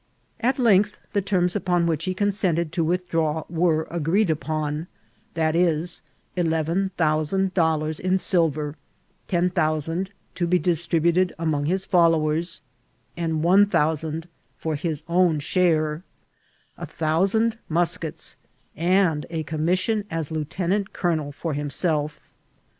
At length the terms qpoa which he consented to with draw were agreed iqpon, vie, eleven thousand dollars in silver, ten thousand to be distributed among his fol lowers, and one thousand for his own share ; a thcnih sand muskets, and a commission ai^ lieutenant<K^ottel for himself.